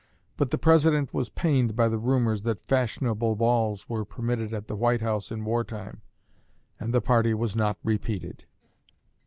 But the President was pained by the rumors that "fashionable balls" were permitted at the White House in war time; and the party was not repeated.